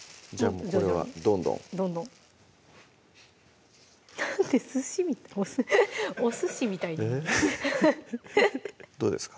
もうこれはどんどんどんどんすしみたいおすしみたいにどうですか？